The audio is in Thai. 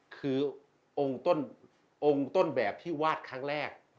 คือองค์ต้นแบบที่วาดครั้งแรก